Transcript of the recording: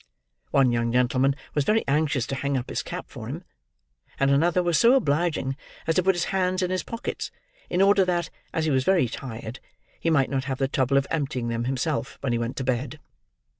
One young gentleman was very anxious to hang up his cap for him; and another was so obliging as to put his hands in his pockets, in order that, as he was very tired, he might not have the trouble of emptying them, himself, when he went to bed.